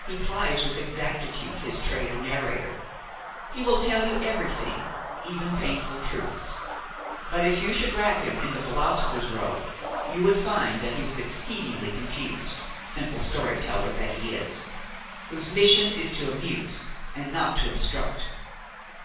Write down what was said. He plies with exactitude his trade of narrator. He will tell you everything, even painful truths; but, if you should wrap him in the philosopher's robe, you would find that he was exceedingly confused, simple story teller that he is, whose mission is to amuse and not to instruct.